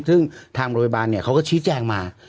ซึ่งทางโรงพยาบาลเขาก็ชี้แจงมา